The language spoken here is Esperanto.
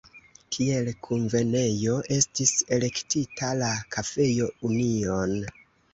Kiel kunvenejo estis elektita la kafejo „Union“.